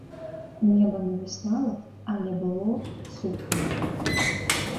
Неба навісала, але было суха.